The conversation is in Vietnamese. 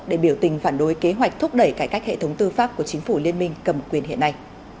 để biểu tình phản đối kế hoạch thúc đẩy cải cách hệ thống tư pháp của chính phủ liên minh cầm quyền hiện nay